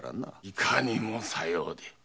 いかにもさようで。